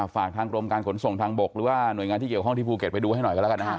ฝากทางกรมการขนส่งทางบกหรือว่าหน่วยงานที่เกี่ยวข้องที่ภูเก็ตไปดูให้หน่อยกันแล้วกันนะฮะ